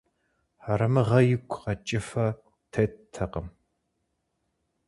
Хьэрэмыгъэ игу къэкӀыфэ теттэкъым.